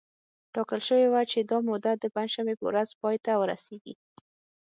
ټاکل شوې وه چې دا موده د پنجشنبې په ورځ پای ته ورسېږي